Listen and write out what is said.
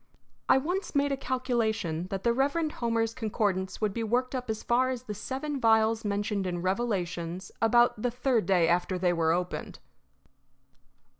I once made a calculation that the Reverend Homer's concordance would be worked up as far as the Seven Vials mentioned in Revelations about the third day after they were opened.